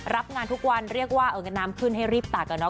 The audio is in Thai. รับงานทุกวันเรียกว่าเอิญญามขึ้นให้รีบต่างกับน้อง